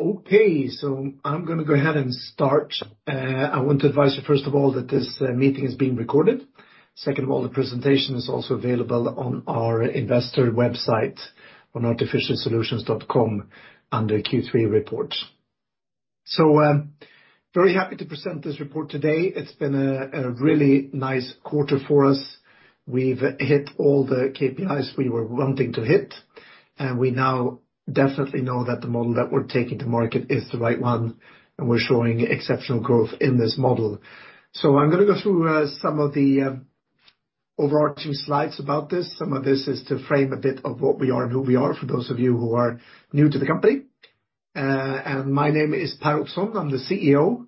Okay. I'm gonna go ahead and start. I want to advise you first of all that this meeting is being recorded. Second of all, the presentation is also available on our investor website on artificialsolutions.com under Q3 reports. Very happy to present this report today. It's been a really nice quarter for us. We've hit all the KPIs we were wanting to hit, and we now definitely know that the model that we're taking to market is the right one, and we're showing exceptional growth in this model. I'm gonna go through some of the overall two slides about this. Some of this is to frame a bit of what we are and who we are for those of you who are new to the company. My name is Per Ottosson. I'm the CEO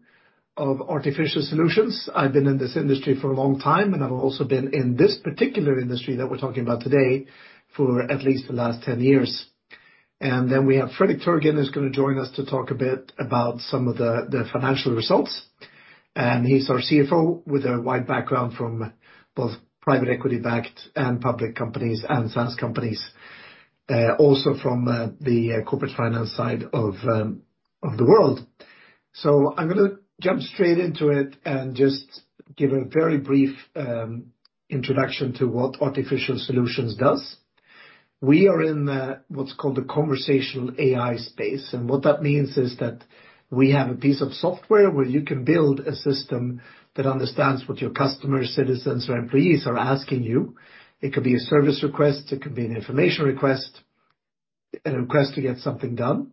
of Artificial Solutions. I've been in this industry for a long time, and I've also been in this particular industry that we're talking about today for at least the last 10 years. Then we have Fredrik Törgren, who's gonna join us to talk a bit about some of the financial results. He's our CFO with a wide background from both private equity-backed and public companies and SaaS companies, also from the corporate finance side of the world. I'm gonna jump straight into it and just give a very brief introduction to what Artificial Solutions does. We are in what's called the conversational AI space. What that means is that we have a piece of software where you can build a system that understands what your customers, citizens or employees are asking you. It could be a service request, it could be an information request, a request to get something done.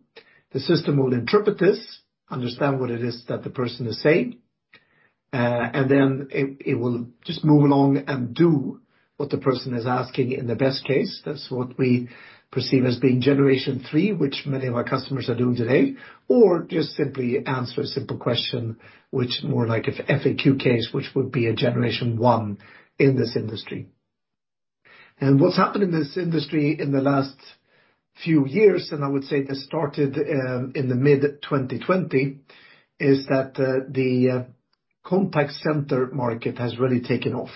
The system will interpret this, understand what it is that the person is saying, and then it will just move along and do what the person is asking in the best case. That's what we perceive as being generation three, which many of our customers are doing today. Or just simply answer a simple question which more like a FAQ case, which would be a generation one in this industry. What's happened in this industry in the last few years, and I would say this started in the mid-2020, is that the contact center market has really taken off.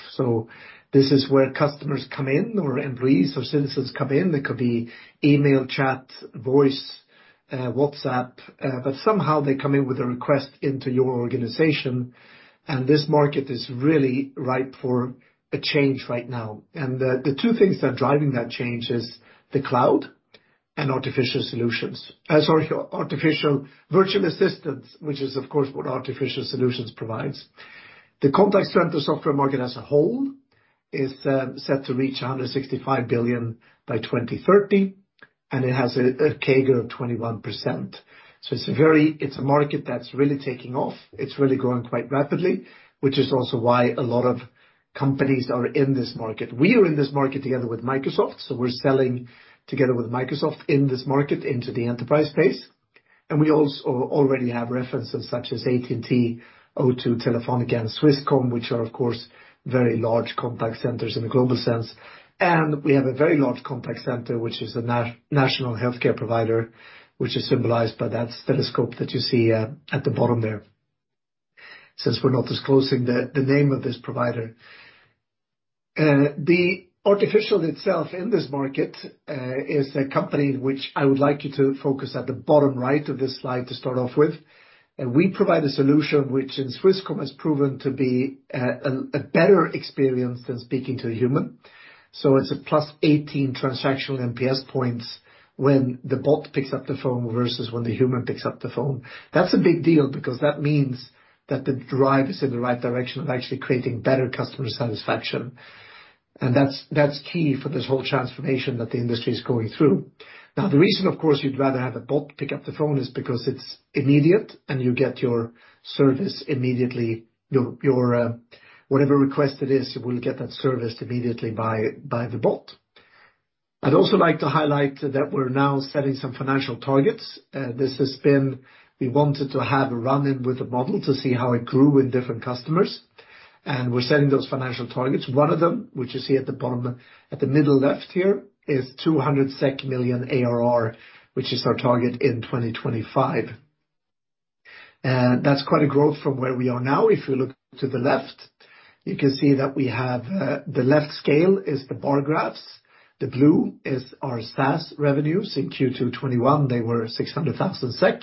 This is where customers come in or employees or citizens come in. It could be email, chat, voice, WhatsApp, but somehow they come in with a request into your organization, and this market is really ripe for a change right now. The two things that are driving that change is the cloud and artificial virtual assistants, which is of course what Artificial Solutions provides. The contact center software market as a whole is set to reach $165 billion by 2030, and it has a CAGR of 21%. It's a very. It's a market that's really taking off. It's really growing quite rapidly, which is also why a lot of companies are in this market. We are in this market together with Microsoft, so we're selling together with Microsoft in this market into the enterprise space. We also already have references such as AT&T, O2, Telefónica, and Swisscom, which are of course very large contact centers in a global sense. We have a very large contact center, which is a national healthcare provider, which is symbolized by that stethoscope that you see at the bottom there, since we're not disclosing the name of this provider. Artificial Solutions itself in this market is a company which I would like you to focus at the bottom right of this slide to start off with. We provide a solution which in Swisscom has proven to be a better experience than speaking to a human. It's a +18 transactional NPS points when the bot picks up the phone versus when the human picks up the phone. That's a big deal because that means that the drive is in the right direction of actually creating better customer satisfaction. That's key for this whole transformation that the industry is going through. Now, the reason, of course, you'd rather have a bot pick up the phone is because it's immediate and you get your service immediately. Your whatever request it is, will get that serviced immediately by the bot. I'd also like to highlight that we're now setting some financial targets. We wanted to have a run-in with the model to see how it grew with different customers, and we're setting those financial targets. One of them, which you see at the bottom, at the middle left here, is 200 million ARR, which is our target in 2025. That's quite a growth from where we are now. If you look to the left, you can see that we have the left scale is the bar graphs. The blue is our SaaS revenues. In Q2 2021, they were 600,000 SEK,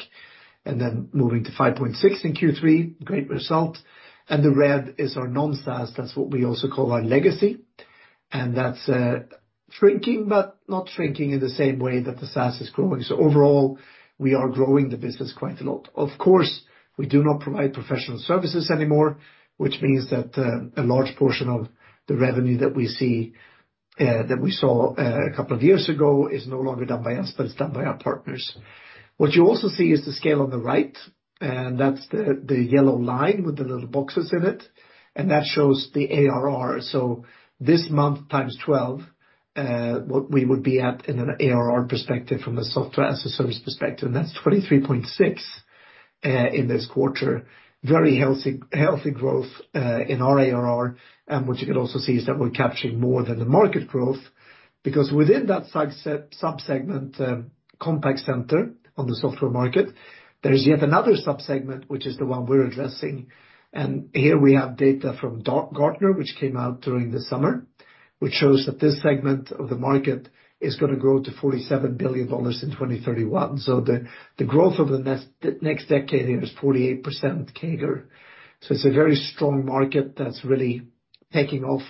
and then moving to 5.6 in Q3. Great result. The red is our non-SaaS. That's what we also call our legacy. That's shrinking, but not shrinking in the same way that the SaaS is growing. Overall, we are growing the business quite a lot. Of course, we do not provide professional services anymore, which means that a large portion of the revenue that we see that we saw a couple of years ago is no longer done by us, but it's done by our partners. What you also see is the scale on the right, and that's the yellow line with the little boxes in it, and that shows the ARR. This month times 12, what we would be at in an ARR perspective from a software as a service perspective, and that's $23.6 in this quarter. Very healthy growth in our ARR. What you can also see is that we're capturing more than the market growth, because within that sub-segment, contact center software market, there's yet another sub-segment which is the one we're addressing. Here we have data from Gartner, which came out during the summer, which shows that this segment of the market is gonna grow to $47 billion in 2031. The growth over the next decade here is 48% CAGR. It's a very strong market that's really taking off.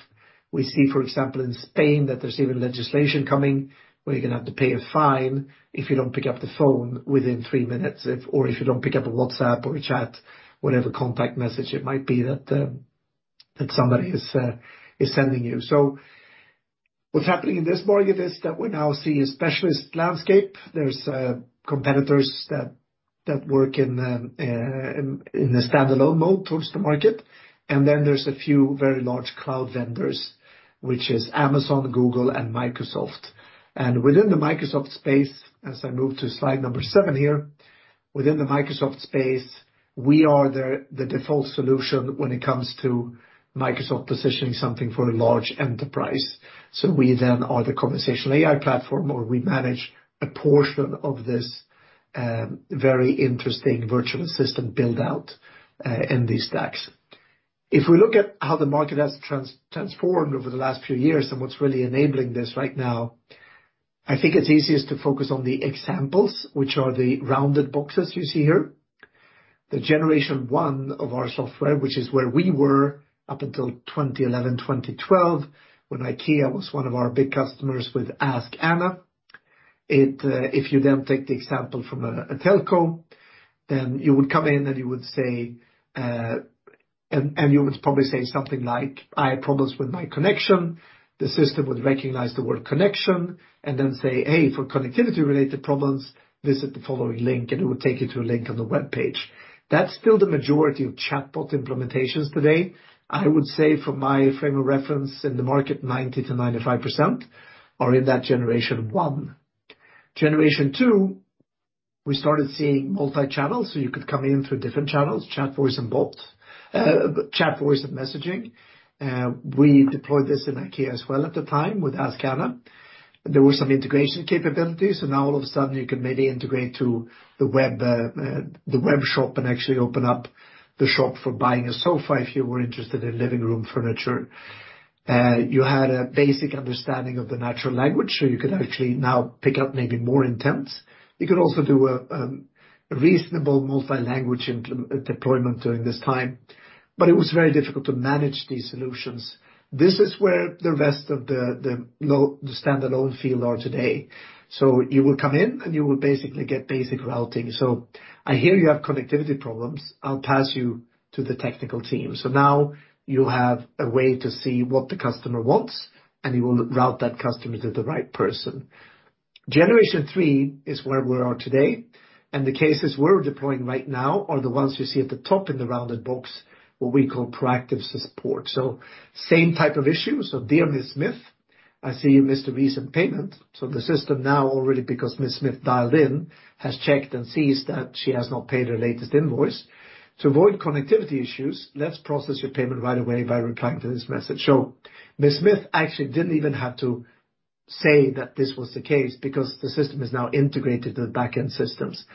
We see, for example, in Spain that there's even legislation coming where you're gonna have to pay a fine if you don't pick up the phone within 3 minutes, or if you don't pick up a WhatsApp or a chat, whatever contact message it might be that somebody is sending you. What's happening in this market is that we now see a specialist landscape. There's competitors that work in a standalone mode towards the market, and then there's a few very large cloud vendors, which is Amazon, Google and Microsoft. Within the Microsoft space, as I move to slide number 7 here, within the Microsoft space, we are the default solution when it comes to Microsoft positioning something for a large enterprise. We are the conversational AI platform, or we manage a portion of this very interesting virtual assistant build-out in these stacks. If we look at how the market has transformed over the last few years and what's really enabling this right now, I think it's easiest to focus on the examples, which are the rounded boxes you see here. The generation one of our software, which is where we were up until 2011, 2012, when IKEA was one of our big customers with Ask Anna. If you then take the example from a telco, then you would come in and you would probably say something like, "I have problems with my connection." The system would recognize the word connection and then say, "Hey, for connectivity-related problems, visit the following link," and it would take you to a link on the webpage. That's still the majority of chatbot implementations today. I would say from my frame of reference in the market, 90%-95% are in that Generation 1. Generation 2, we started seeing multi-channel, so you could come in through different channels, chat, voice, and messaging. We deployed this in IKEA as well at the time with Ask Anna. There were some integration capabilities, so now all of a sudden you can maybe integrate to the web, the web shop and actually open up the shop for buying a sofa if you were interested in living room furniture. You had a basic understanding of the natural language, so you could actually now pick up maybe more intents. You could also do a reasonable multi-language deployment during this time, but it was very difficult to manage these solutions. This is where the rest of the standalone field are today. You would come in, and you would basically get basic routing. I hear you have connectivity problems. I'll pass you to the technical team. Now you'll have a way to see what the customer wants, and you will route that customer to the right person. Generation three is where we are today, and the cases we're deploying right now are the ones you see at the top in the rounded box, what we call proactive support. Same type of issue. "Dear Miss Smith, I see you missed a recent payment." The system now already, because Miss Smith dialed in, has checked and sees that she has not paid her latest invoice. "To avoid connectivity issues, let's process your payment right away by replying to this message." Miss Smith actually didn't even have to say that this was the case because the system is now integrated to the backend systems,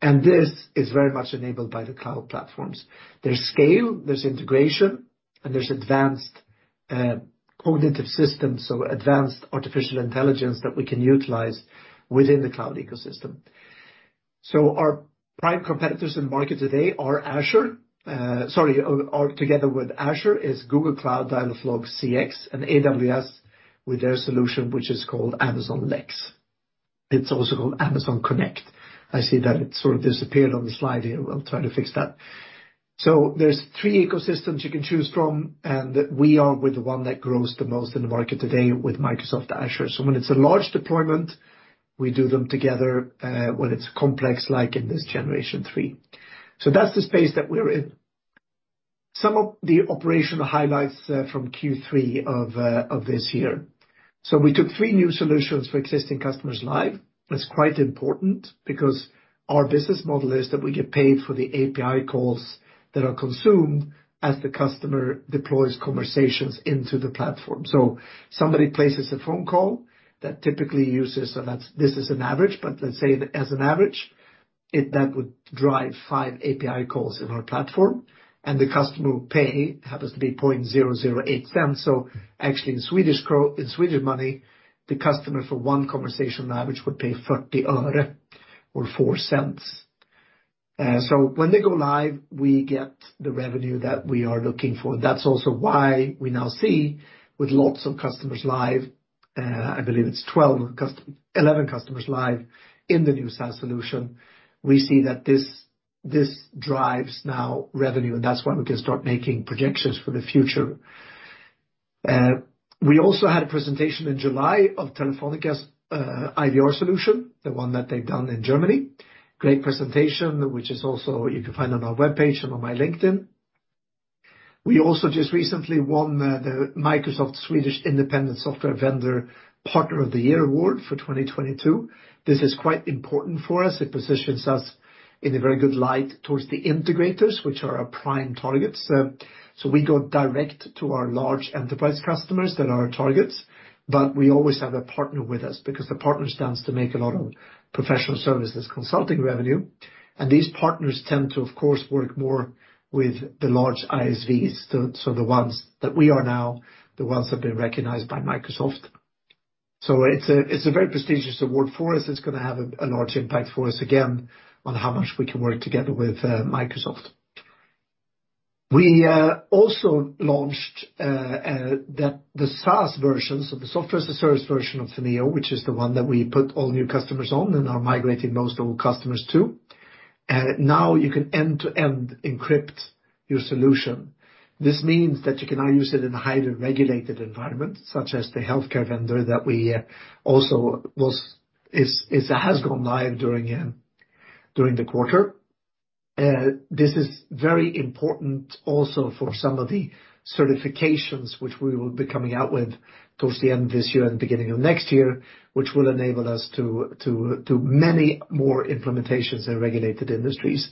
and this is very much enabled by the cloud platforms. There's scale, there's integration, and there's advanced, cognitive systems, so advanced artificial intelligence that we can utilize within the cloud ecosystem. Our prime competitors in the market today are Azure. Sorry. Together with Azure is Google Cloud Dialogflow CX and AWS with their solution, which is called Amazon Lex. It's also called Amazon Connect. I see that it sort of disappeared on the slide here. We'll try to fix that. There's three ecosystems you can choose from, and we are with the one that grows the most in the market today with Microsoft Azure. When it's a large deployment, we do them together, when it's complex, like in this generation three. That's the space that we're in. Some of the operational highlights from Q3 of this year. We took three new solutions for existing customers live. That's quite important because our business model is that we get paid for the API calls that are consumed as the customer deploys conversations into the platform. Somebody places a phone call that typically uses. This is an average, but let's say as an average, that would drive 5 API calls in our platform, and the customer will pay, happens to be 0.008 cents. Actually in Swedish money, the customer for one conversation on average would pay 40 öre or 4 cents. When they go live, we get the revenue that we are looking for. That's also why we now see with lots of customers live. I believe it's 11 customers live in the new SaaS solution. We see that this drives now revenue, and that's why we can start making projections for the future. We also had a presentation in July of Telefónica's IVR solution, the one that they've done in Germany. Great presentation, which you can also find on our webpage and on my LinkedIn. We also just recently won the Microsoft Independent Software Vendor Partner of the Year Award for Sweden for 2022. This is quite important for us. It positions us in a very good light towards the integrators, which are our prime targets. We go direct to our large enterprise customers that are our targets, but we always have a partner with us because the partner stands to make a lot of professional services consulting revenue, and these partners tend to, of course, work more with the large ISVs. So the ones that have been recognized by Microsoft. It's a very prestigious award for us. It's gonna have a large impact for us, again, on how much we can work together with Microsoft. We also launched the SaaS versions of the software service version of Teneo, which is the one that we put all new customers on and are migrating most old customers to. Now you can end-to-end encrypt your solution. This means that you can now use it in a highly-regulated environment, such as the healthcare vendor that we also has gone live during the quarter. This is very important also for some of the certifications which we will be coming out with towards the end of this year and beginning of next year, which will enable us to many more implementations in regulated industries.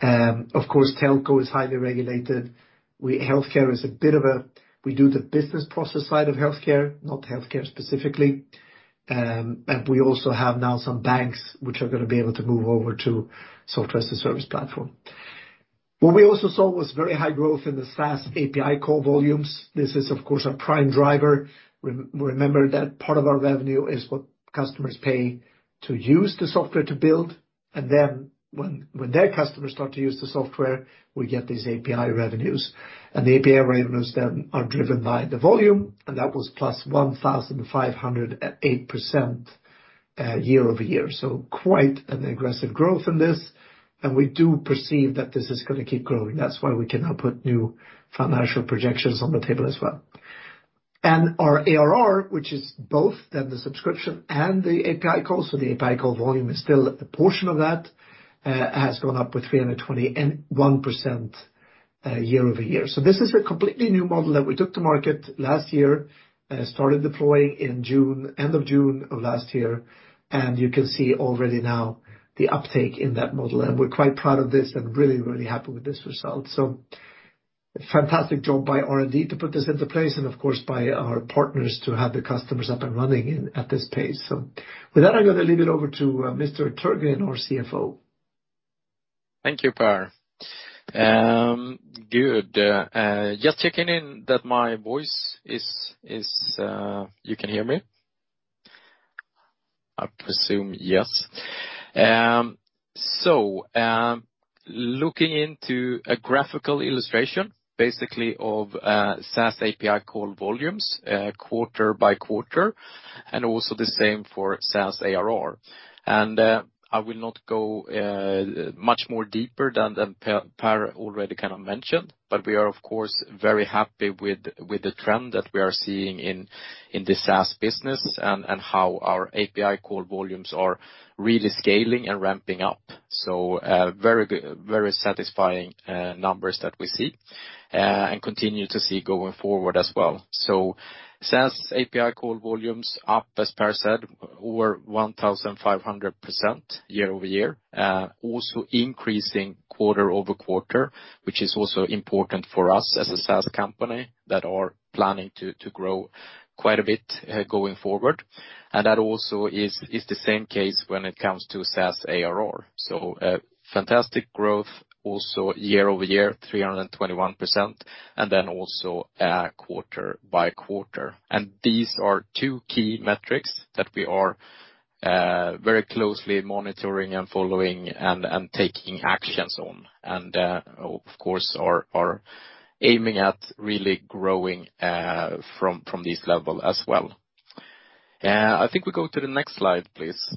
Of course, telco is highly-regulated. We do the business process side of healthcare, not healthcare specifically. We also have now some banks which are gonna be able to move over to Software as a Service platform. What we also saw was very high-growth in the SaaS API call volumes. This is, of course, a prime driver. Remember that part of our revenue is what customers pay to use the software to build, and then when their customers start to use the software, we get these API revenues. The API revenues then are driven by the volume, and that was +1,508% year-over-year. Quite an aggressive growth in this, and we do perceive that this is gonna keep growing. That's why we cannot put new financial projections on the table as well. Our ARR, which is both the subscription and the API call, so the API call volume is still a portion of that, has gone up with 321%, year-over-year. This is a completely new model that we took to market last-year, started deploying in June, end of June of last-year, and you can see already now the uptake in that model. We're quite proud of this and really, really happy with this result. Fantastic job by R&D to put this into place, and of course, by our partners to have the customers up and running at this pace. With that, I'm gonna leave it over to Mr. Törgren, our CFO. Thank you, Per. Good. Just checking that my voice is. You can hear me? I presume yes. Looking into a graphical illustration, basically of SaaS API call volumes, quarter-by-quarter, and also the same for SaaS ARR. I will not go much more deeper than Per already kind of mentioned, but we are of course very happy with the trend that we are seeing in the SaaS business and how our API call volumes are really scaling and ramping up. Very good, very satisfying numbers that we see and continue to see going forward as well. SaaS API call volumes up, as Per said, over 1,500% year-over-year. Also increasing quarter-over-quarter, which is also important for us as a SaaS company that are planning to grow quite a bit, going forward. That also is the same case when it comes to SaaS ARR. Fantastic growth also year-over-year, 321%, and then also quarter-over-quarter. These are two key metrics that we are very closely monitoring and following and taking actions on. Of course, are aiming at really growing from this level as well. I think we go to the next slide, please.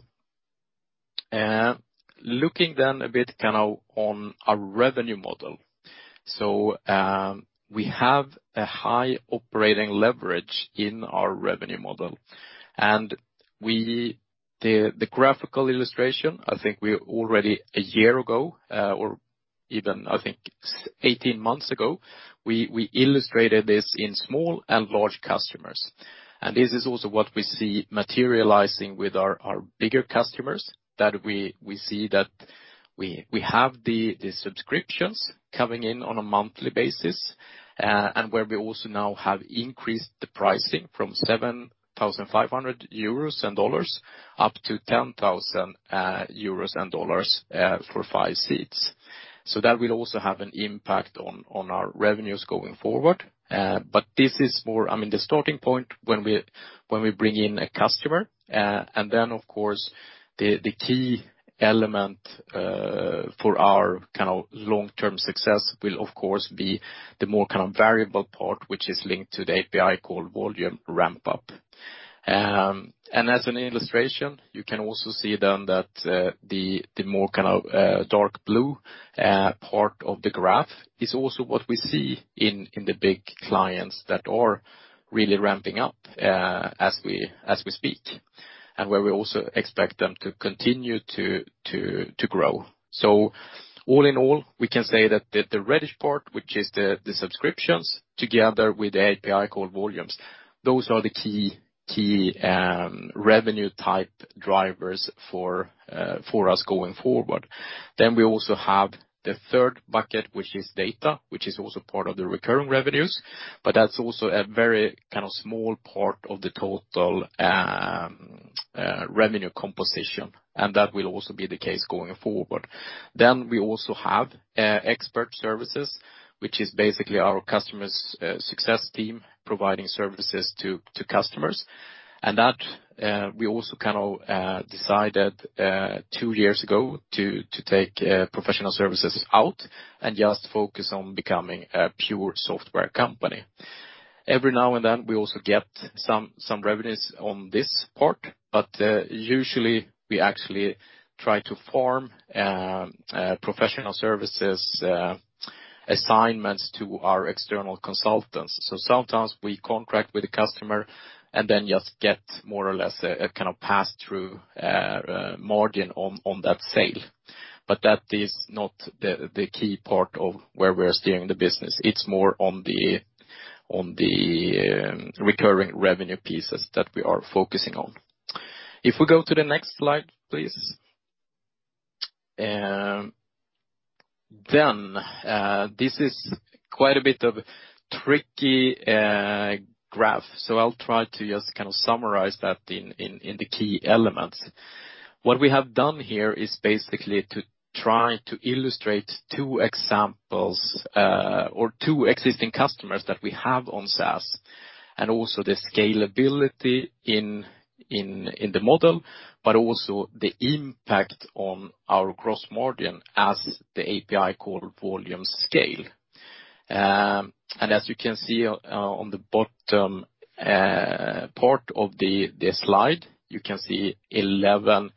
Looking then a bit kind of on our revenue model. We have a high-operating leverage in our revenue model. The graphical illustration, I think we already a year ago, or even I think eighteen months ago, we illustrated this in small and large customers. This is also what we see materializing with our bigger customers, that we see that we have the subscriptions coming in on a monthly basis, and where we also now have increased the pricing from 7,500 euros and $7,500 up to 10,000 euros and $10,000 for 5 seats. That will also have an impact on our revenues going forward. This is more, I mean, the starting point when we bring in a customer, and then of course, the key element for our kind of long-term success will of course be the more kind of variable part, which is linked to the API call volume ramp up. As an illustration, you can also see then that the more kind of dark blue part of the graph is also what we see in the big clients that are really ramping up as we speak, and where we also expect them to continue to grow. All in all, we can say that the reddish part, which is the subscriptions together with the API call volumes, those are the key revenue type drivers for us going forward. We also have the third bucket, which is data, which is also part of the recurring revenues, but that's also a very kind of small part of the total revenue composition, and that will also be the case going forward. We also have expert services, which is basically our customers' success team providing services to customers. That we also kind of decided two years ago to take professional services out and just focus on becoming a pure software company. Every now and then, we also get some revenues on this part, but usually we actually try to form professional services assignments to our external consultants. Sometimes we contract with the customer and then just get more or less a kind of pass-through margin on that sale. That is not the key part of where we're steering the business. It's more on the recurring revenue pieces that we are focusing on. If we go to the next slide, please. This is quite a bit of a tricky graph, so I'll try to just kind of summarize that in the key elements. What we have done here is basically to try to illustrate two examples or two existing customers that we have on SaaS, and also the scalability in the model, but also the impact on our gross margin as the API call volume scale. As you can see on the bottom part of the slide, you can see 11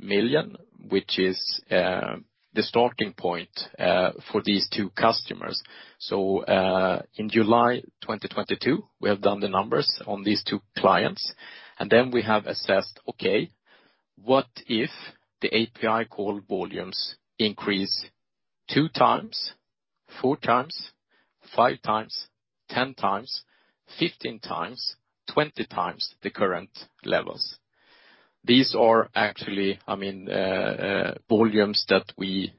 million, which is the starting point for these two customers. In July 2022, we have done the numbers on these two clients, and then we have assessed, okay, what if the API call volumes increase 2x, 4x, 5x, 10x, 15x, 20x the current levels. These are actually, I mean, volumes that we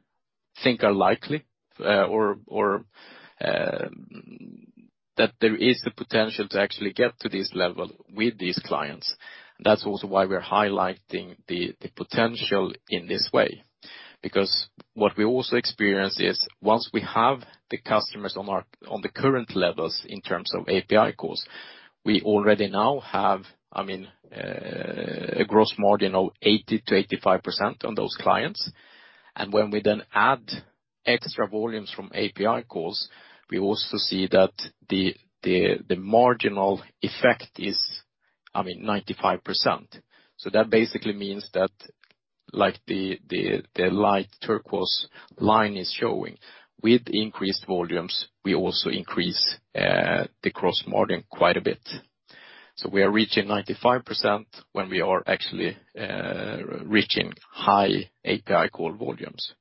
think are likely, or that there is the potential to actually get to this level with these clients. That's also why we're highlighting the potential in this way. Because what we also experience is once we have the customers on the current levels in terms of API calls, we already now have, I mean, a gross margin of 80%-85% on those clients. When we then add extra volumes from API calls, we also see that the marginal effect is, I mean, 95%. That basically means that, like the light turquoise line is showing, with increased volumes, we also increase the gross margin quite a bit. We are reaching 95% when we are actually reaching high API call volumes.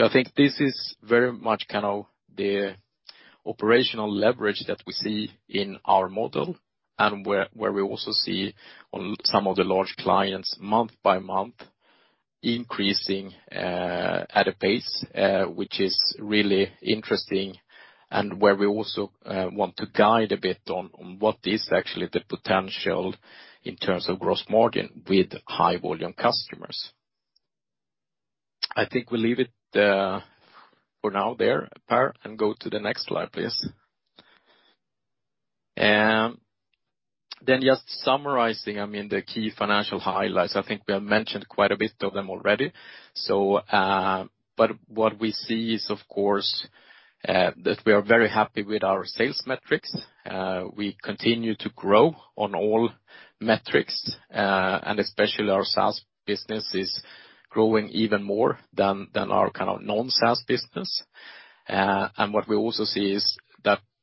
I think this is very much kind of the operational leverage that we see in our model and where we also see on some of the large clients month by month increasing at a pace which is really interesting and where we also want to guide a bit on what is actually the potential in terms of gross margin with high volume customers. I think we'll leave it for now there, Per, and go to the next slide, please. Just summarizing, I mean, the key financial highlights. I think we have mentioned quite a bit of them already. What we see is, of course, that we are very happy with our sales metrics. We continue to grow on all metrics, and especially our SaaS business is growing even more than our kind of non-SaaS business. What we also see is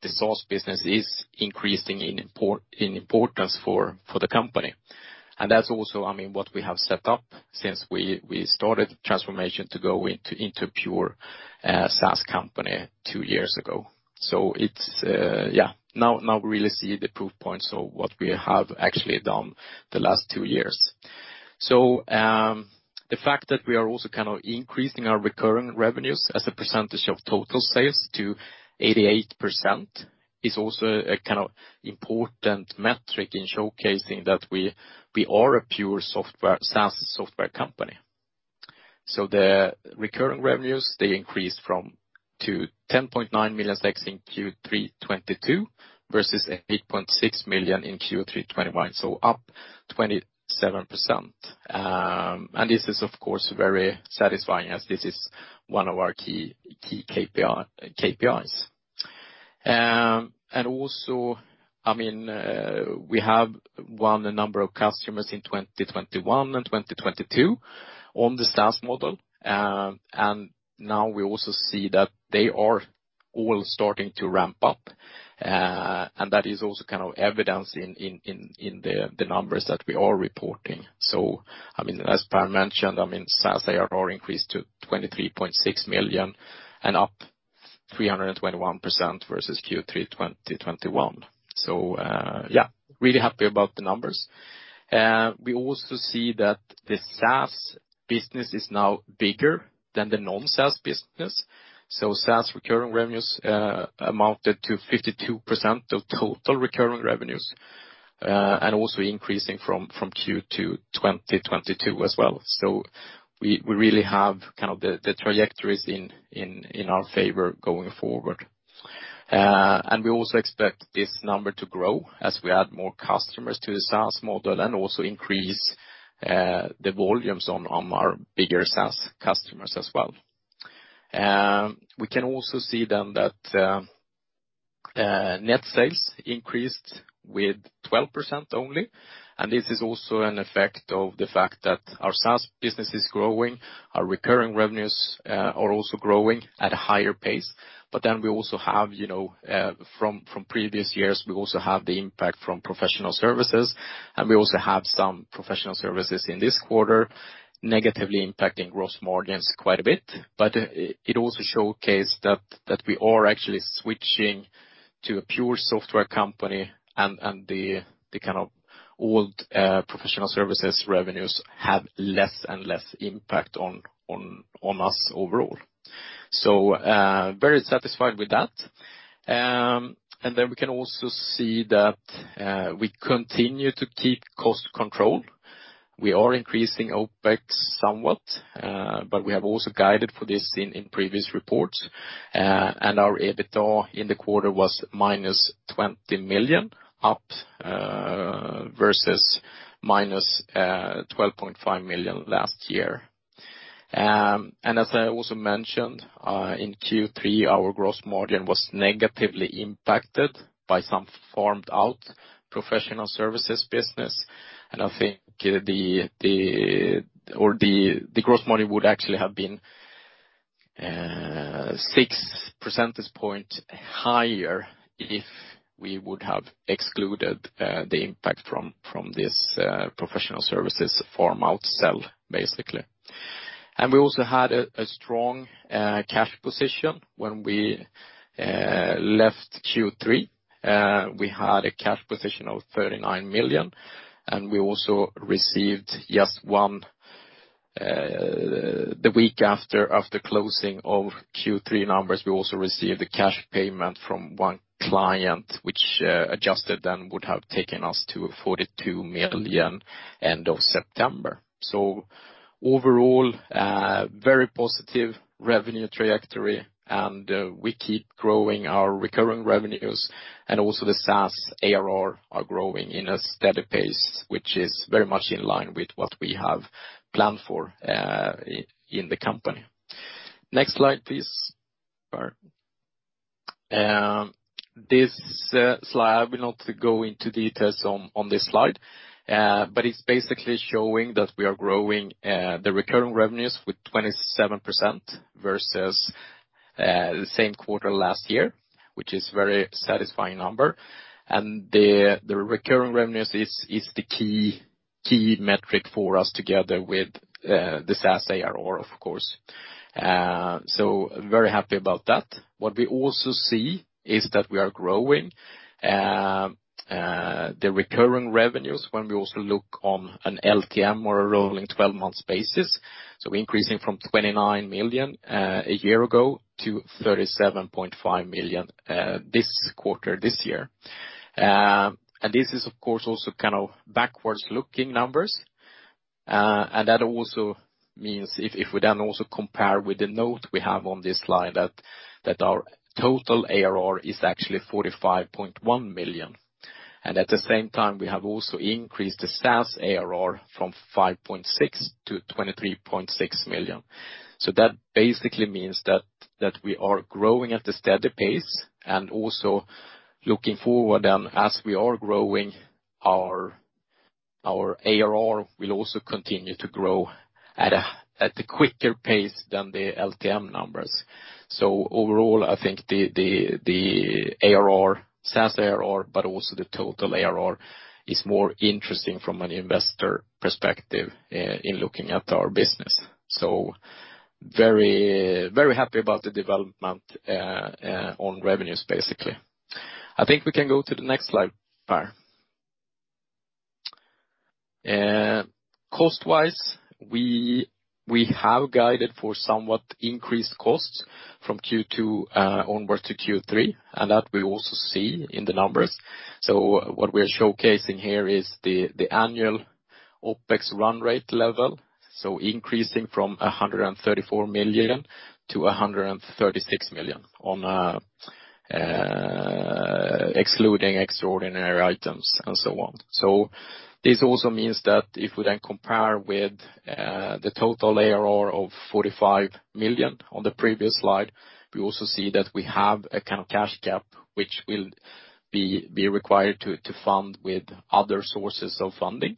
that the SaaS business is increasing in importance for the company. That's also, I mean, what we have set up since we started transformation to go into pure SaaS company two years ago. It's yeah. Now we really see the proof points of what we have actually done the last two years. The fact that we are also kind of increasing our recurring revenues as a percentage of total sales to 88% is also a kind of important metric in showcasing that we are a pure software SaaS software company. The recurring revenues, they increased from 8.6 million SEK in Q3 2021 to 10.9 million SEK in Q3 2022, up 27%. This is, of course, very satisfying as this is one of our key KPIs. We have won a number of customers in 2021 and 2022 on the SaaS model. Now we also see that they are all starting to ramp up. That is also kind of evidence in the numbers that we are reporting. I mean, as Per mentioned, I mean, SaaS ARR increased to 23.6 million and up 321% versus Q3 2021. Yeah, really happy about the numbers. We also see that the SaaS business is now bigger than the non-SaaS business. SaaS recurring revenues amounted to 52% of total recurring revenues and also increasing from Q2 2022 as well. We really have kind of the trajectories in our favor going forward. We also expect this number to grow as we add more customers to the SaaS model and also increase the volumes on our bigger SaaS customers as well. We can also see then that net sales increased with 12% only. This is also an effect of the fact that our SaaS business is growing, our recurring revenues are also growing at a higher-pace. We also have from previous years the impact from professional services. We also have some professional services in this quarter negatively impacting gross margins quite a bit. It also showcased that we are actually switching to a pure software company and the kind of old professional services revenues have less and less impact on us overall. Very satisfied with that. We can also see that we continue to keep cost control. We are increasing OpEx somewhat, but we have also guided for this in previous reports. Our EBITDA in the quarter was -20 million up versus -12.5 million last-year. As I also mentioned in Q3, our gross margin was negatively impacted by some farmed out professional services business. I think the gross margin would actually have been 6 percentage point higher if we would have excluded the impact from this professional services farm out sell basically. We also had a strong cash position when we left Q3. We had a cash position of 39 million, and we also received the week after closing of Q3 numbers a cash payment from one client which adjusted then would have taken us to 42 million end of September. Overall, very positive revenue trajectory. We keep growing our recurring revenues and also the SaaS ARR are growing in a steady pace, which is very much in line with what we have planned for, in the company. Next slide, please, Per. This slide, I will not go into details on this slide, but it's basically showing that we are growing the recurring revenues with 27% versus the same quarter last-year, which is very satisfying number. The recurring revenues is the key metric for us together with the SaaS ARR, of course. Very happy about that. What we also see is that we are growing the recurring revenues when we also look on an LTM or a rolling twelve months basis. Increasing from 29 million a year ago to 37.5 million this quarter, this year. This is of course also kind of backwards looking numbers. That also means if we then also compare with the note we have on this slide that our total ARR is actually 45.1 million. At the same time, we have also increased the SaaS ARR from 5.6 million to 23.6 million. That basically means that we are growing at a steady pace and also looking forward then, as we are growing our ARR will also continue to grow at a quicker pace than the LTM numbers. Overall, I think the ARR, SaaS ARR, but also the total ARR is more interesting from an investor perspective in looking at our business. Very, very happy about the development on revenues, basically. I think we can go to the next slide, Per. Cost-wise, we have guided for somewhat increased costs from Q2 onward to Q3, and that we also see in the numbers. What we are showcasing here is the annual OpEx run-rate-level. Increasing from 134 million to 136 million excluding extraordinary items and so on. This also means that if we then compare with the total ARR of 45 million on the previous slide, we also see that we have a kind of cash gap which will be required to fund with other sources of funding.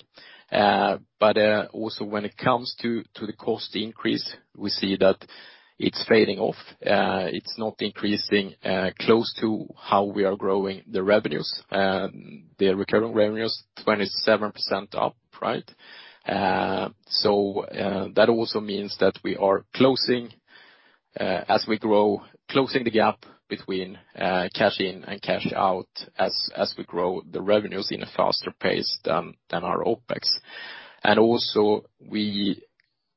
Also when it comes to the cost increase, we see that it's fading off. It's not increasing close to how we are growing the revenues. The recurring revenues, 27% up, right? That also means that we are closing the gap between cash in and cash out as we grow the revenues in a faster pace than our OpEx. Also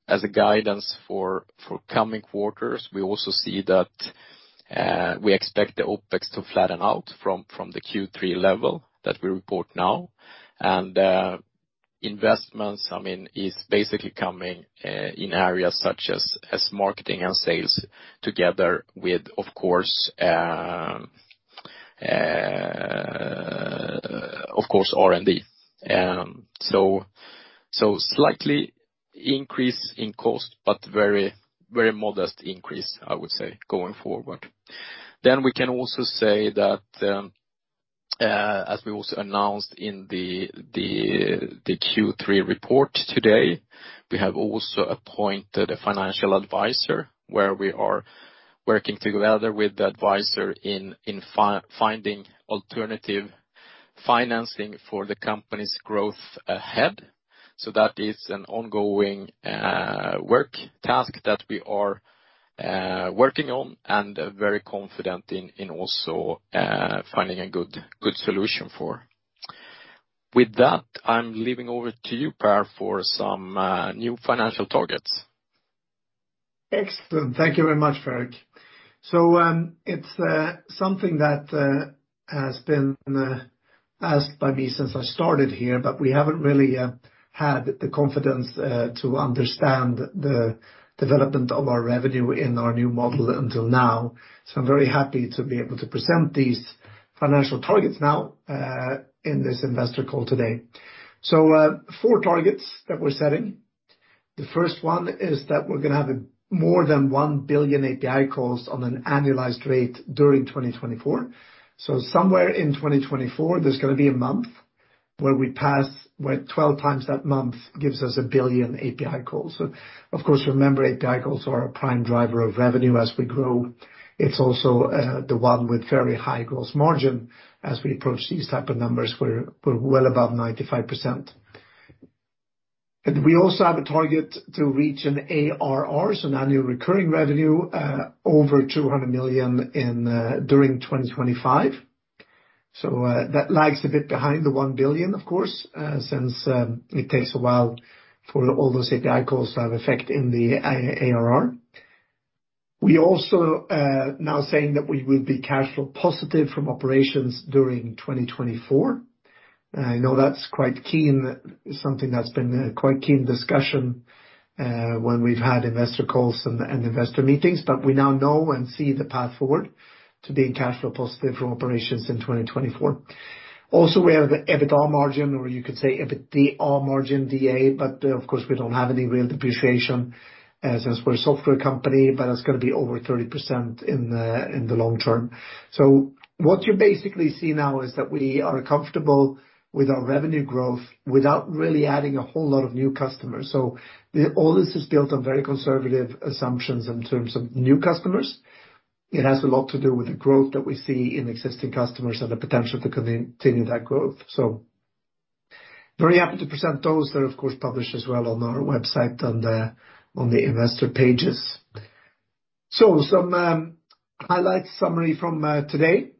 as a guidance for coming quarters, we also see that we expect the OpEx to flatten out from the Q3 level that we report now. Investments, I mean, is basically coming in areas such as marketing and sales together with, of course, R&D. Slightly increase in cost but very modest increase, I would say, going forward. We can also say that, as we also announced in the Q3 report today, we have also appointed a financial advisor, where we are working together with the advisor in finding alternative financing for the company's growth ahead. That is an ongoing work task that we are working on and very confident in also finding a good solution for. With that, I'm handing over to you, Per, for some new financial targets. Excellent. Thank you very much, Fredrik. It's something that has been asked by me since I started here, but we haven't really had the confidence to understand the development of our revenue in our new model until now. I'm very happy to be able to present these financial targets now in this investor call today. Four targets that we're setting. The first one is that we're gonna have more than 1 billion API calls on an annualized rate during 2024. Somewhere in 2024, there's gonna be a month where 12 times that month gives us 1 billion API calls. Of course, remember, API calls are a prime driver of revenue as we grow. It's also the one with very high gross margin as we approach these type of numbers. We're well above 95%. We also have a target to reach an ARR, so an annual recurring revenue, over 200 million during 2025. That lags a bit behind the 1 billion, of course, since it takes a while for all those API calls to have effect in the ARR. We're now saying that we will be cash flow positive from operations during 2024. I know that's quite key, something that's been quite key discussion when we've had investor calls and investor meetings. We now know and see the path forward to being cash flow positive from operations in 2024. Also, we have the EBITDA margin, or you could say EBITDA margin, D&A, but of course, we don't have any real depreciation since we're a software company, but it's gonna be over 30% in the long term. What you basically see now is that we are comfortable with our revenue growth without really adding a whole lot of new customers. All this is built on very conservative assumptions in terms of new customers. It has a lot to do with the growth that we see in existing customers and the potential to continue that growth. Very happy to present those. They're of course published as well on our website on the investor pages. Some highlights summary from today.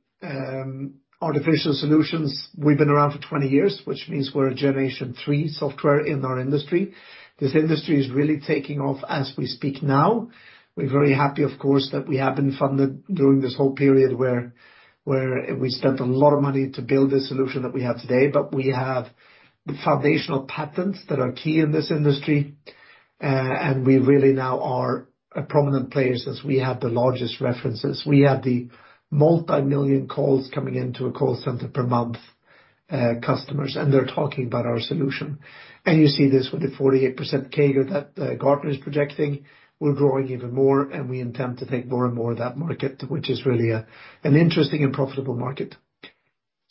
Artificial Solutions, we've been around for 20 years, which means we're a generation three software in our industry. This industry is really taking off as we speak now. We're very happy, of course, that we have been funded during this whole period where we spent a lot of money to build this solution that we have today. We have the foundational patents that are key in this industry, and we really now are a prominent player since we have the largest references. We have the multimillion calls coming into a call center per month, customers, and they're talking about our solution. You see this with the 48% CAGR that Gartner is projecting. We're growing even more, and we intend to take more and more of that market, which is really an interesting and profitable market.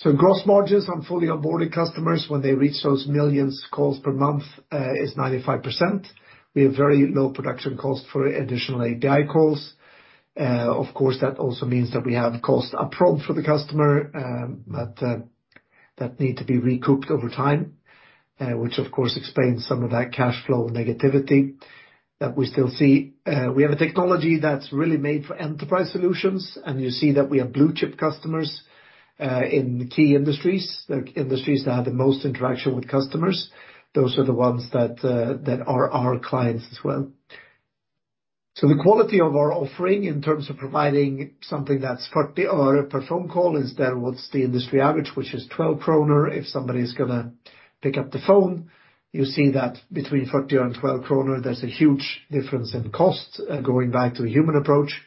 Gross margins on fully onboarded customers when they reach those millions calls per month is 95%. We have very low production costs for additional API calls. Of course, that also means that we have cost upfront for the customer, but that need to be recouped over time, which of course explains some of that cash-flow-negativity that we still see. We have a technology that's really made for enterprise solutions, and you see that we have blue-chip customers in key industries. The industries that have the most interaction with customers, those are the ones that are our clients as well. The quality of our offering in terms of providing something that's 40 öre per phone call isn't what's the industry average, which is 12 kronor if somebody's gonna pick up the phone. You see that between 40 öre and 12 kronor, there's a huge difference in cost going back to a human approach.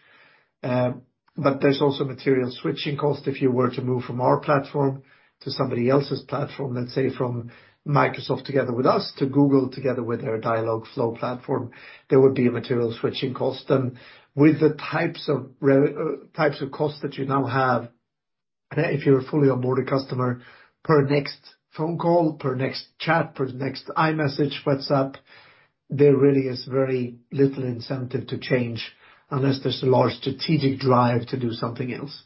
There's also material switching cost if you were to move from our platform to somebody else's platform. Let's say from Microsoft together with us to Google together with their Dialogflow platform, there would be a material switching cost. With the types of costs that you now have, if you're a fully onboarded customer per next phone call, per next chat, per next iMessage, WhatsApp, there really is very little incentive to change unless there's a large strategic drive to do something else.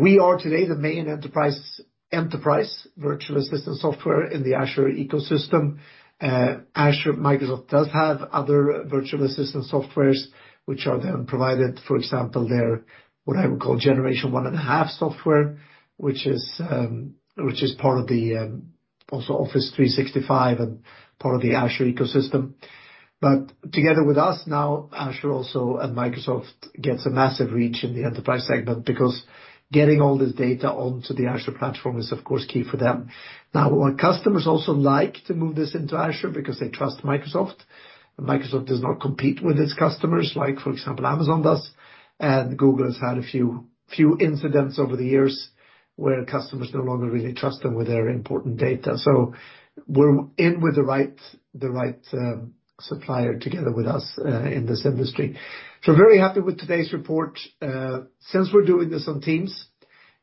We are today the main enterprise virtual assistant software in the Azure ecosystem. Azure, Microsoft does have other virtual assistant softwares, which are then provided, for example, their, what I would call generation one and a half software, which is also part of Office 365 and part of the Azure ecosystem. Together with us now, Azure also and Microsoft gets a massive reach in the enterprise segment because getting all this data onto the Azure platform is of course key for them. Our customers also like to move this into Azure because they trust Microsoft, and Microsoft does not compete with its customers like, for example, Amazon does, and Google has had a few incidents over the years where customers no longer really trust them with their important data. We're in with the right supplier together with us in this industry. Very happy with today's report. Since we're doing this on Teams,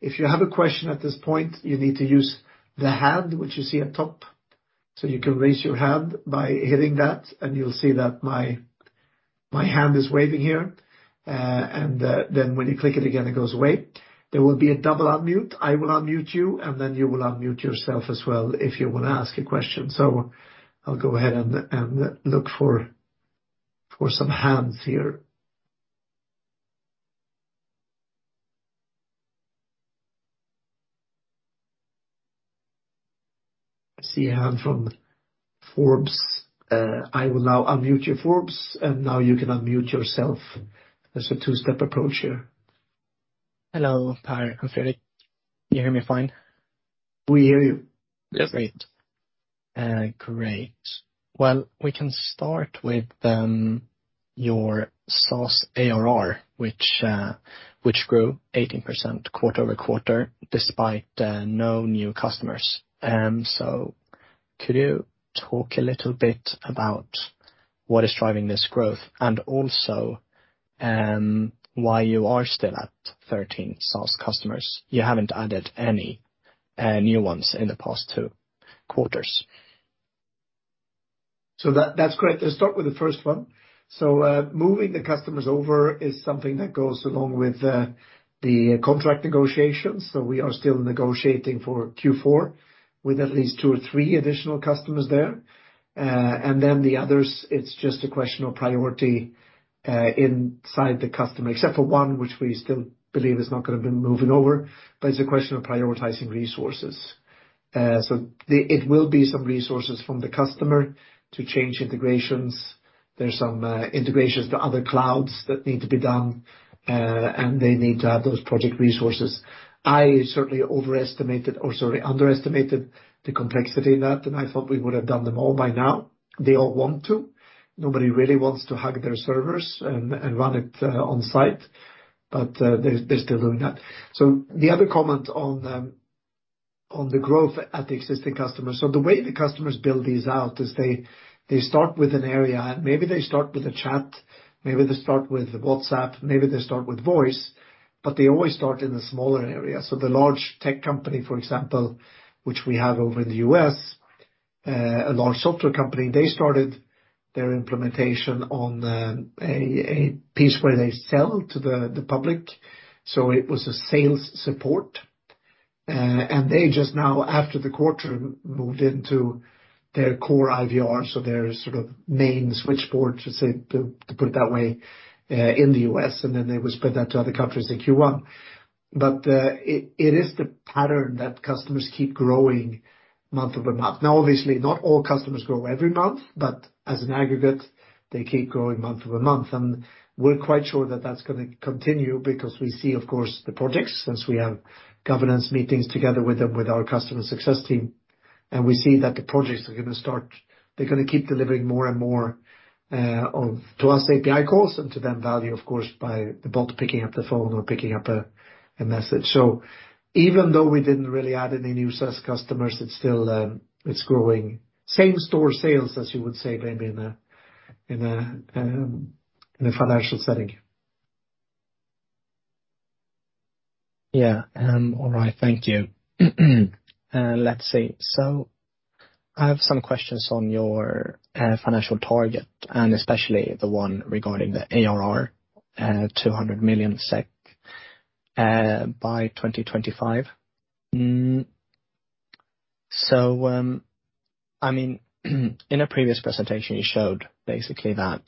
if you have a question at this point, you need to use the hand, which you see at top. You can raise your hand by hitting that, and you'll see that my hand is waving here. When you click it again, it goes away. There will be a double unmute. I will unmute you, and then you will unmute yourself as well if you wanna ask a question. I'll go ahead and look for some hands here. I see a hand from Forbes. I will now unmute you, Forbes, and now you can unmute yourself. There's a two-step approach here. Hello, Per and Fredrik. Can you hear me fine? We hear you. Great. Well, we can start with your SaaS ARR, which grew 18% quarter-over-quarter despite no new customers. Could you talk a little bit about what is driving this growth and also why you are still at 13 SaaS customers? You haven't added any new ones in the past two quarters. That's great. Let's start with the first one. Moving the customers over is something that goes along with the contract negotiations. We are still negotiating for Q4 with at least two or three additional customers there. And then the others, it's just a question of priority inside the customer, except for one, which we still believe is not gonna be moving over, but it's a question of prioritizing resources. It will be some resources from the customer to change integrations. There's some integrations to other clouds that need to be done, and they need to have those project resources. I certainly overestimated, or sorry, underestimated the complexity in that, and I thought we would have done them all by now. They all want to. Nobody really wants to hug their servers and run it on-site, but they're still doing that. The other comment on the growth at the existing customers. The way the customers build these out is they start with an area. Maybe they start with a chat, maybe they start with WhatsApp, maybe they start with voice, but they always start in a smaller area. The large tech company, for example, which we have over in the U.S., a large software company, they started their implementation on a piece where they sell to the public. It was a sales support. They just now, after the quarter, moved into their core IVR, so their sort of main switchboard, in the U.S., and then they will spread that to other countries in Q1. It is the pattern that customers keep growing month-over-month. Now, obviously, not all customers grow every month, but as an aggregate, they keep growing month-over-month. We're quite sure that that's gonna continue because we see, of course, the projects since we have governance meetings together with them, with our customer success team, and we see that the projects are gonna start. They're gonna keep delivering more and more to us, API calls, and to them, value, of course, by the bot picking up the phone or picking up a message. Even though we didn't really add any new SaaS customers, it's still, it's growing. Same store sales, as you would say, maybe in a financial setting. All right, thank you. Let's see. I have some questions on your financial target and especially the one regarding the ARR, 200 million SEK, by 2025. I mean, in a previous presentation, you showed basically that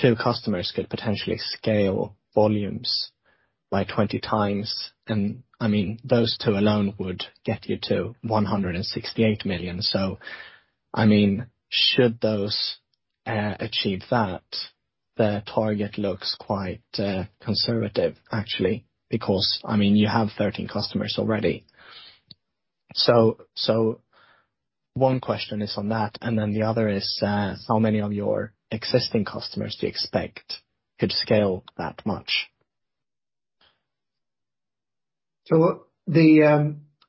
two customers could potentially scale volumes by 20 times. I mean, those two alone would get you to 168 million. I mean, should those achieve that, the target looks quite conservative, actually, because I mean, you have 13 customers already. One question is on that, and then the other is, how many of your existing customers do you expect could scale that much?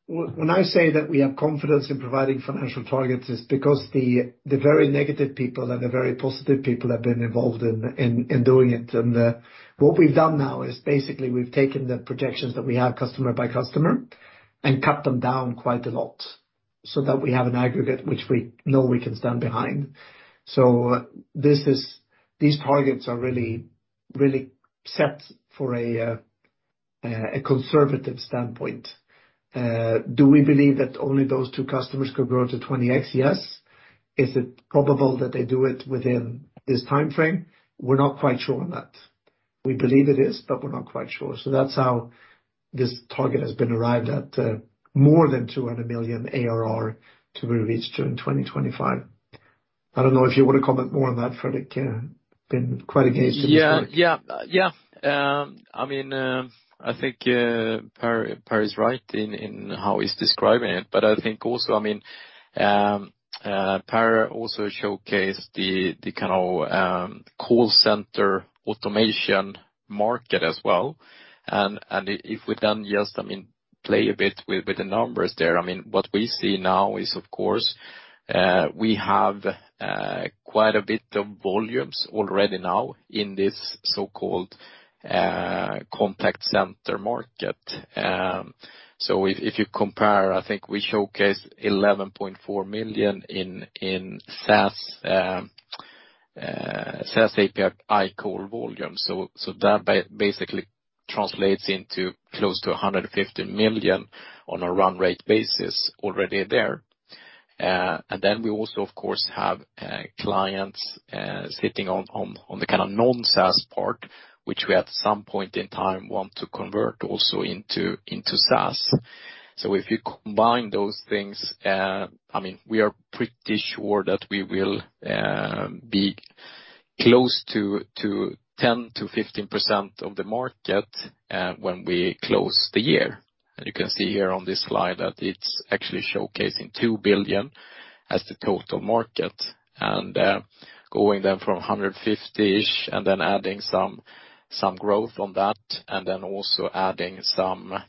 When I say that we have confidence in providing financial targets, it's because the very negative people and the very positive people have been involved in doing it. What we've done now is basically we've taken the projections that we have customer by customer and cut them down quite a lot so that we have an aggregate which we know we can stand behind. These targets are really set for a conservative standpoint. Do we believe that only those two customers could grow to 20x? Yes. Is it probable that they do it within this time frame? We're not quite sure on that. We believe it is, but we're not quite sure. That's how this target has been arrived at, more than 200 million ARR to be reached during 2025. I don't know if you want to comment more on that, Fredrik. Been quite engaged in this one. I mean, I think Per is right in how he's describing it. I think also, I mean, Per also showcased the kind of call center automation market as well. If we then just play a bit with the numbers there, I mean, what we see now is of course we have quite a bit of volumes already now in this so-called contact center market. If you compare, I think we showcased 11.4 million in SaaS API call volume. That basically translates into close to 150 million on a run rate basis already there. We also of course have clients sitting on the kind of non-SaaS part, which we at some point in time want to convert also into SaaS. If you combine those things, I mean, we are pretty sure that we will be close to 10%-15% of the market when we close the year. You can see here on this slide that it's actually showcasing 2 billion as the total market. Going from 150-ish and then adding some growth on that, and then also adding some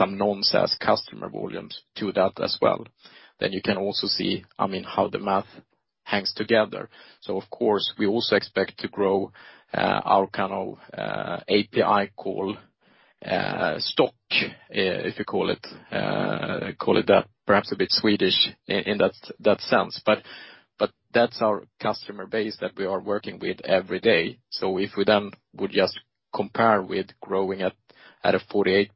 non-SaaS customer volumes to that as well. You can also see, I mean, how the math hangs together. Of course, we also expect to grow our kind of API call stock, if you call it that. Perhaps a bit Swedish in that sense. That's our customer base that we are working with every day. If we then would just compare with growing at a 48%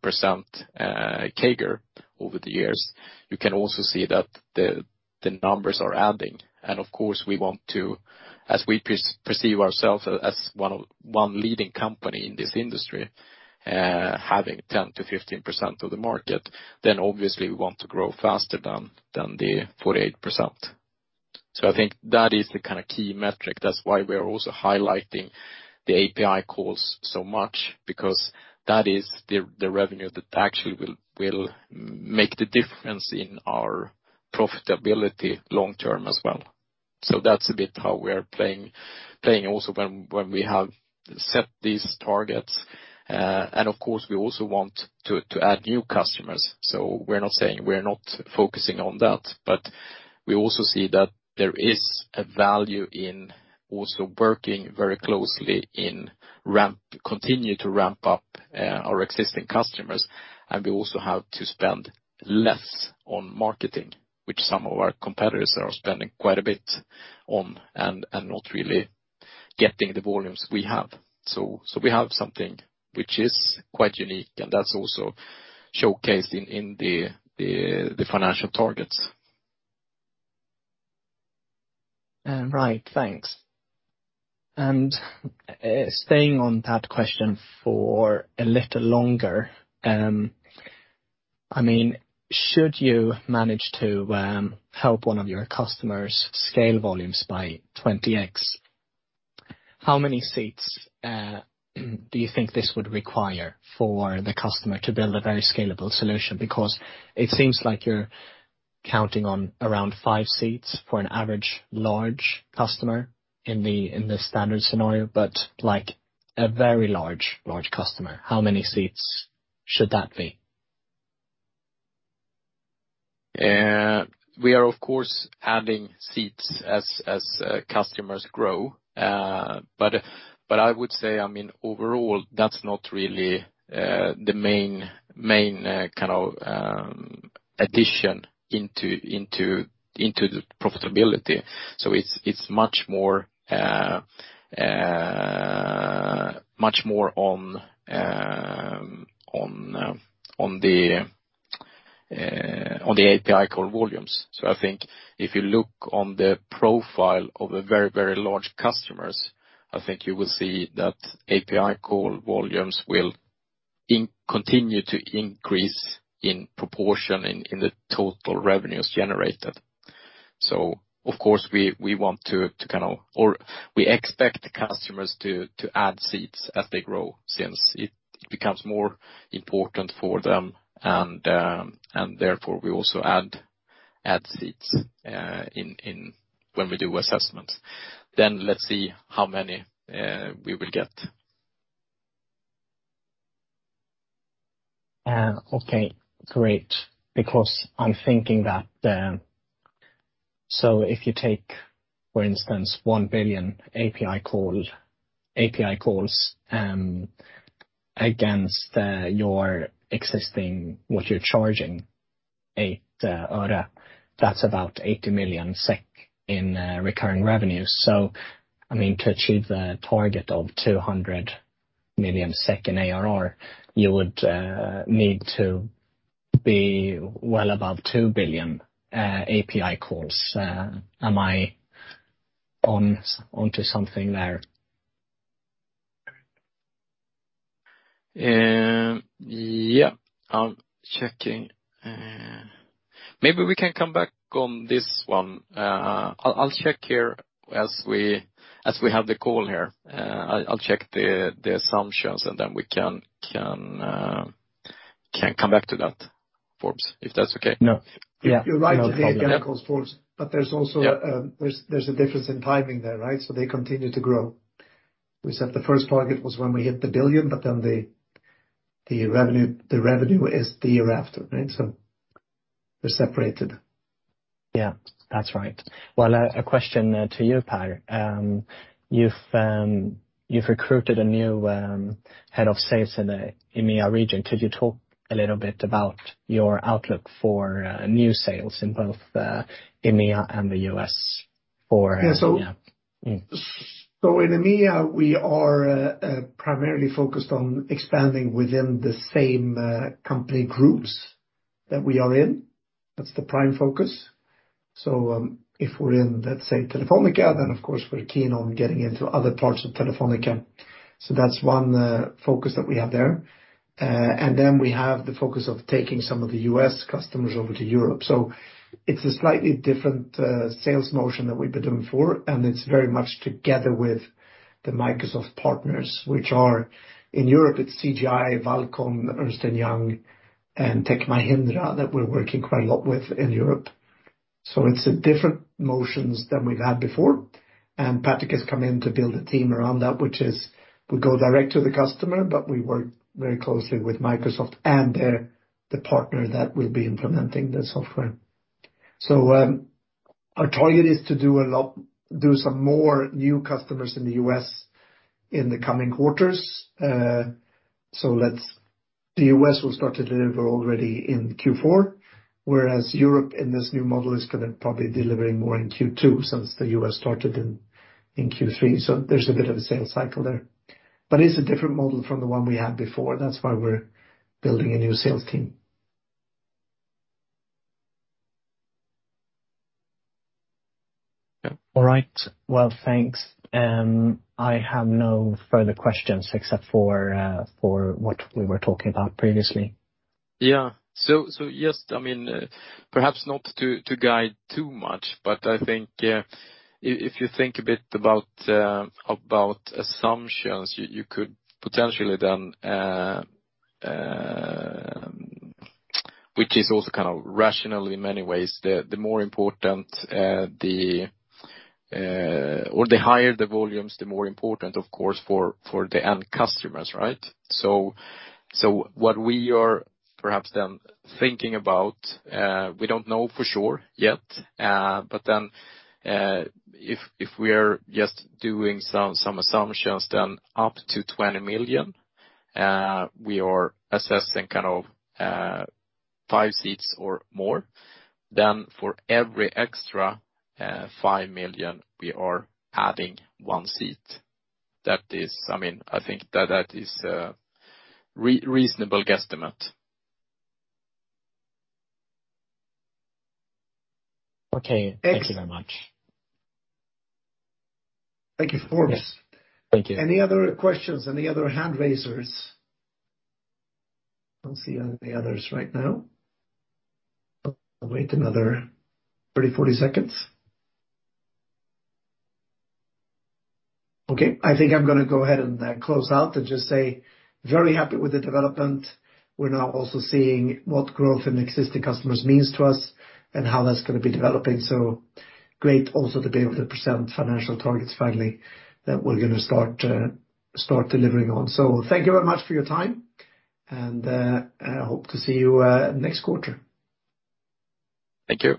CAGR over the years, you can also see that the numbers are adding. Of course, we want to, as we perceive ourselves as one leading company in this industry, having 10%-15% of the market, then obviously we want to grow faster than the 48%. I think that is the kind of key metric. That's why we are also highlighting the API calls so much, because that is the revenue that actually will make the difference in our profitability long term as well. That's a bit how we are playing also when we have set these targets. Of course, we also want to add new customers. We're not saying we're not focusing on that, but we also see that there is a value in also working very closely in continue to ramp up our existing customers. We also have to spend less on marketing, which some of our competitors are spending quite a bit on and not really getting the volumes we have. We have something which is quite unique, and that's also showcased in the financial targets. Right. Thanks. Staying on that question for a little longer, I mean, should you manage to help one of your customers scale volumes by 20x, how many seats do you think this would require for the customer to build a very scalable solution? Because it seems like you're counting on around five seats for an average large customer in the standard scenario, but, like, a very large customer, how many seats should that be? We are of course adding seats as customers grow. I would say, I mean, overall, that's not really the main kind of addition into the profitability. It's much more on the API call volumes. I think if you look on the profile of a very large customer, I think you will see that API call volumes will continue to increase in proportion to the total revenues generated. Of course, we expect the customers to add seats as they grow, since it becomes more important for them, and therefore we also add seats in when we do assessments. Let's see how many we will get. Okay, great. Because I'm thinking that if you take, for instance, 1 billion API calls against your existing, what you're charging, 8 öre, that's about 80 million SEK in recurring revenue. I mean, to achieve the target of 200 million SEK in ARR, you would need to be well above 2 billion API calls. Am I onto something there? I'm checking. Maybe we can come back on this one. I'll check here as we have the call here. I'll check the assumptions, and then we can come back to that, Forbes, if that's okay. No. Yeah. You're right with the API calls, Forbes. Yeah. There's a difference in timing there, right? They continue to grow. We said the first target was when we hit the billion, but then the revenue is the year after, right? They're separated. Yeah. That's right. Well, a question to you, Per. You've recruited a new head of sales in the EMEA region. Could you talk a little bit about your outlook for new sales in both EMEA and the US for- Yeah. Yeah. Mm. In EMEA, we are primarily focused on expanding within the same company groups that we are in. That's the prime focus. If we're in, let's say, Telefónica, then of course we're keen on getting into other parts of Telefónica. That's one focus that we have there. Then we have the focus of taking some of the US customers over to Europe. It's a slightly different sales motion than we've been doing before, and it's very much together with the Microsoft partners, which are in Europe, it's CGI, Valcon, Ernst & Young, and Tech Mahindra that we're working quite a lot with in Europe. It's different motions than we've had before. Patrick has come in to build a team around that, which is we go direct to the customer, but we work very closely with Microsoft and their partner that will be implementing the software. Our target is to do some more new customers in the US in the coming quarters. The US will start to deliver already in Q4, whereas Europe in this new model is gonna probably delivering more in Q2 since the US started in Q3. There's a bit of a sales cycle there. It's a different model from the one we had before. That's why we're building a new sales team. Yeah. All right. Well, thanks. I have no further questions except for what we were talking about previously. Yeah. Just, I mean, perhaps not to guide too much, but I think if you think a bit about assumptions, you could potentially then, which is also kind of rational in many ways. The more important, or the higher the volumes, the more important, of course, for the end customers, right? What we are perhaps then thinking about, we don't know for sure yet, but then if we're just doing some assumptions, then up to 20 million, we are assessing kind of 5 seats or more. For every extra 5 million, we are adding 1 seat. That is. I mean, I think that is a reasonable guesstimate. Okay. Thank you very much. Thank you, Forbes. Thank you. Any other questions? Any other hand raisers? Don't see any others right now. I'll wait another 30, 40 seconds. Okay. I think I'm gonna go ahead and close out and just say, very happy with the development. We're now also seeing what growth in existing customers means to us and how that's gonna be developing. Great also to be able to present financial targets finally that we're gonna start delivering on. Thank you very much for your time and hope to see you next quarter. Thank you.